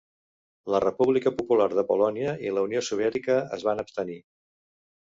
La República Popular de Polònia i la Unió Soviètica es van abstenir.